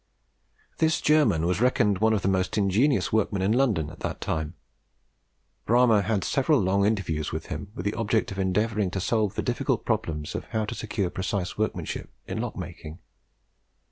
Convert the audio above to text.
This German was reckoned one of the most ingenious workmen in London at the time. Bramah had several long interviews with him, with the object of endeavouring to solve the difficult problem of how to secure precise workmanship in lock making.